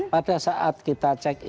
pada saat kita check in